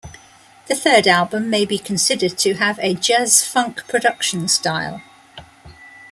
The third album may be considered to have a jazz-funk production style.